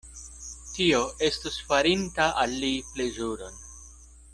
Tio estus farinta al li plezuron.